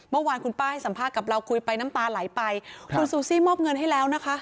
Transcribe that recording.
เมื่อวานคุณป้าให้สัมภาษณ์กับเราคุยไปน้ำตาไหลไปคุณซูซี่มอบเงินให้แล้วนะคะ